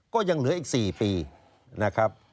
ก็ยังเหลืออีก๔ปีนะครับ